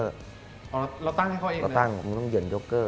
เราตั้งให้เขาเองเนี่ยเราตั้งมึงต้องเหยื่อนโจ๊กเกอร์